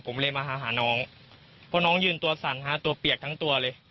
ผมเลยมาหาน้องเพราะน้องยืนตัวสั่นฮะตัวเปียกทั้งตัวเลย